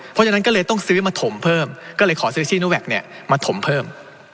เพราะฉะนั้นก็เลยต้องซื้อมาถมเพิ่มก็เลยขอซื้อซีโนแวคเนี่ยมาถมเพิ่ม